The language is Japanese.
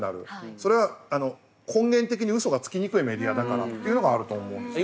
それは根源的にウソがつきにくいメディアだからっていうのがあると思うんですよね。